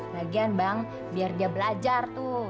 bagian bang biar dia belajar tuh